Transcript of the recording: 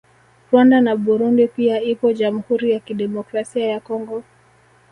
Rwanda na Burundi pia ipo Jamhuri Ya Kidemokrasia ya Congo